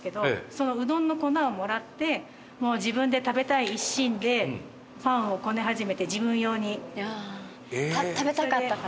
そのうどんの粉をもらってもう、自分で食べたい一心でパンをこね始めて、自分用に。